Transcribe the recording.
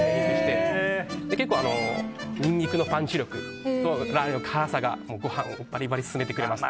結構ニンニクのパンチ力とラー油の辛さがご飯バリバリ進めてくれます。